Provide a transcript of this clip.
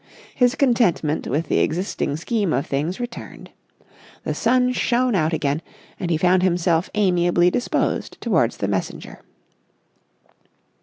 His contentment with the existing scheme of things returned. The sun shone out again, and he found himself amiably disposed towards the messenger.